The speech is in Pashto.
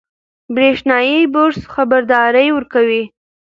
برېښنایي برس خبرداری ورکوي.